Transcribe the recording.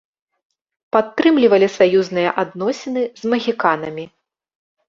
Падтрымлівалі саюзныя адносіны з магіканамі.